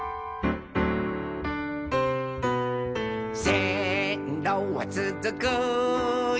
「せんろはつづくよ